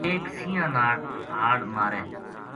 ایک سیئاں ناڑ ہاڑ مارے